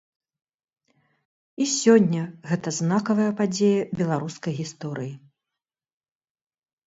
І сёння гэта знакавая падзея беларускай гісторыі.